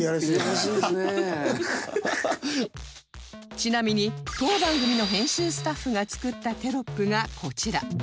ちなみに当番組の編集スタッフが作ったテロップがこちら